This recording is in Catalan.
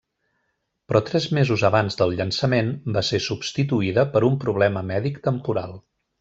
Però tres mesos abans del llançament va ser substituïda per un problema mèdic temporal.